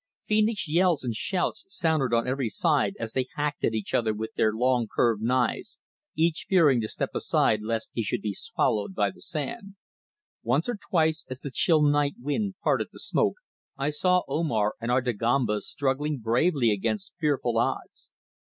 Fiendish yells and shouts sounded on every side as they hacked at each other with their long curved knives, each fearing to step aside lest he should be swallowed by the sand. Once or twice, as the chill night wind parted the smoke, I saw Omar and our Dagombas struggling bravely against fearful odds.